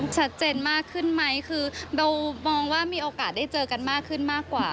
ชัดเจนมากขึ้นไหมคือเบลมองว่ามีโอกาสได้เจอกันมากขึ้นมากกว่า